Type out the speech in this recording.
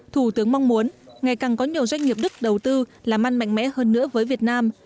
thủ tướng mong muốn ngày càng có nhiều doanh nghiệp đức đầu tư làm ăn mạnh mẽ hơn nữa với việt nam